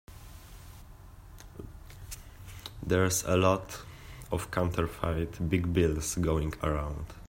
There's a lot of counterfeit big bills going around.